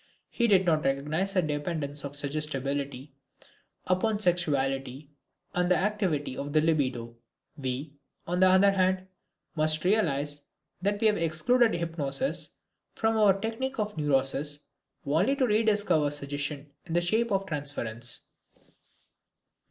He did not recognize the dependence of suggestibility upon sexuality and the activity of the libido. We, on the other hand, must realize that we have excluded hypnosis from our technique of neurosis only to rediscover suggestion in the shape of transference.